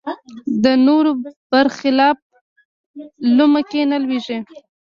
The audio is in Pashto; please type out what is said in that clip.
د نورو بر خلاف لومه کې نه لویېږي